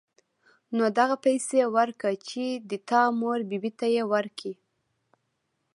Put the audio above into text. نو دغه پيسې وركه چې د تا مور بي بي ته يې وركي.